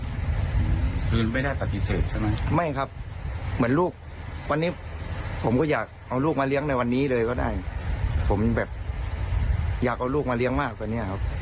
คือไม่ได้ปฏิเสธใช่ไหมไม่ครับเหมือนลูกวันนี้ผมก็อยากเอาลูกมาเลี้ยงในวันนี้เลยก็ได้ผมแบบอยากเอาลูกมาเลี้ยงมากตอนนี้ครับ